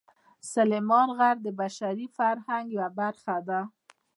سلیمان غر د بشري فرهنګ یوه برخه ده.